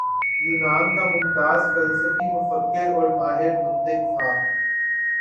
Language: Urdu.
یونان کا ممتاز فلسفی مفکر اور ماہر منطق تھا